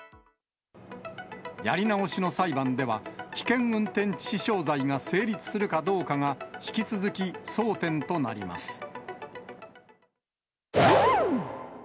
やり直しの裁判では、危険運転致死傷罪が成立するかどうかが引き続き、争点となります。